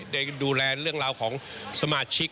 ได้ดูแลเรื่องราวของสมาชิก